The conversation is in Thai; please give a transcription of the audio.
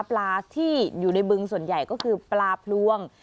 ปลาที่อยู่ในบึงส่วนใหญ่ก็คือปลาพลวง